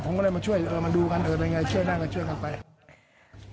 ผมก็เลยมาดูกันว่าด้วย